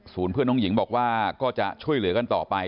เพื่อนน้องหญิงบอกว่าก็จะช่วยเหลือกันต่อไป